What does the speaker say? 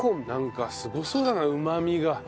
なんかすごそうだなうまみが。